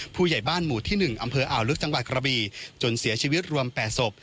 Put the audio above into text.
ผู้ใหญ่บ้านหมู่ที่๑อำเภออ่าวลึกจังหวัดกระบีจนเสียชีวิตรวม๘ศพ